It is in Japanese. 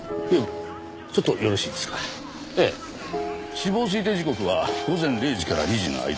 死亡推定時刻は午前０時から２時の間。